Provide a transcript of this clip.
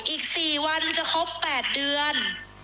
อีก๔วันจะครบ๘เดือน